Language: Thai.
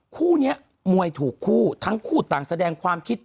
คู่นี้มวยถูกคู่ทั้งคู่ต่างแสดงความคิด